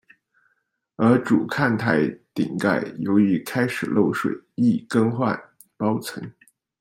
而主看台顶盖由于开始漏水亦更换包层。